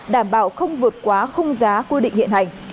đảm bảo không vượt quá khung giá quy định hiện hành